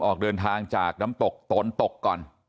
ออกเดินทางจากน้ำตกตนตกก่อน